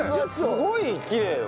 すごいきれいよ。